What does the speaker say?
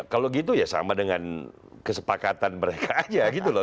kalau gitu ya sama dengan kesepakatan mereka aja gitu loh